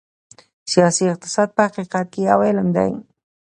سیاسي اقتصاد په حقیقت کې یو علم دی.